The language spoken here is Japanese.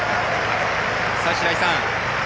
白井さん